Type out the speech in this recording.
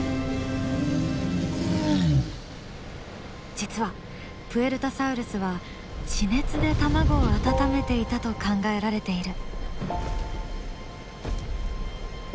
実はプエルタサウルスは地熱で卵を温めていたと考えられている。